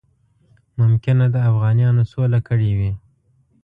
ممکنه ده اوغانیانو سوله کړې وي.